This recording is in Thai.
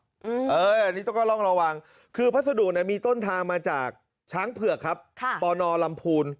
อืมเอ่ออันนี้ต้องก็ลองระวังคือพัสดุมีต้นทางมาจากช้างเผือกครับค่ะ